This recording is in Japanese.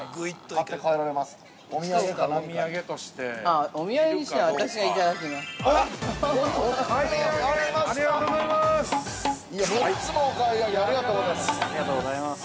◆お買い上げ、ありがとうございます。